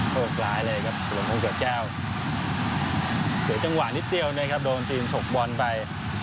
โฆษณ์ร้ายเลยครับสุรมพร้อมเกือบแก้วเสียจังหวะนิดเดียวเลยครับโดนจีนชกบอลไป